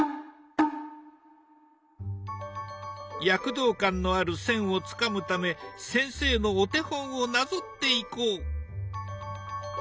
躍動感のある線をつかむため先生のお手本をなぞっていこう。